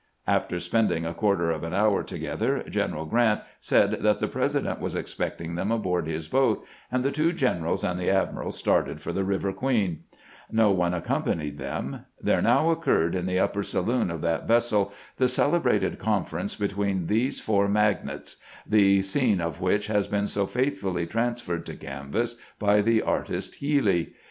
" After spending a quarter of an hour together, Gen THE FAMOUS CONFERENCE ABOAED THE "bIVEE QUEEN " 423 eral Grant said that the President was expecting them aboard his boat, and the two generals and the admiral started for the Biver Queen. No one accompanied them. There now occurred in the upper saloon of that vessel the celebrated conference between these four magnates, the scene of which has been so faithfully transferred to canvas by the artist Healy.